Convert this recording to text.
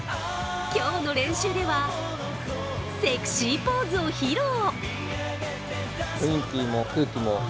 今日の練習では、セクシーポーズを披露。